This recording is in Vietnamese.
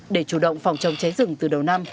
để chủ động phòng trồng cháy rừng từ đầu năm